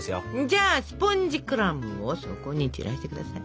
じゃあスポンジクラムを底に散らしてください。